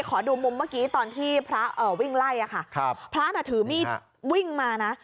ขอดูมุมเมื่อกี้ตอนที่พระวิ่งไล่ค่ะพระน่ะถือมีดวิ่งมานะ